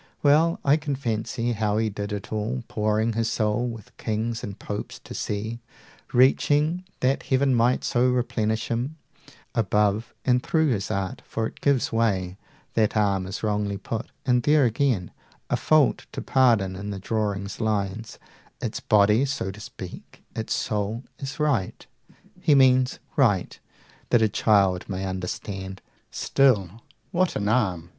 Well, I can fancy how he did it all, Pouring his soul, with kings and popes to see, Reaching, that heaven might so replenish him, Above and through his art for it gives way; 110 That arm is wrongly put and there again A fault to pardon in the drawing's lines, Its body, so to speak: its soul is right, He means right that, a child may understand. Still, what an arm!